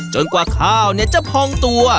กว่าข้าวจะพองตัว